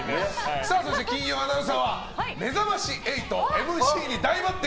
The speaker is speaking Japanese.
金曜アナウンサーは「めざまし８」ＭＣに大抜擢！